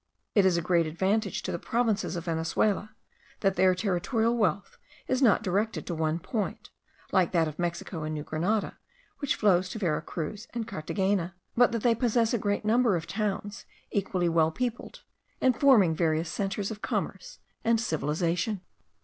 It is a great advantage to the provinces of Venezuela, that their territorial wealth is not directed to one point, like that of Mexico and New Grenada, which flows to Vera Cruz and Carthagena; but that they possess a great number of towns equally well peopled, and forming various centres of commerce and civilization.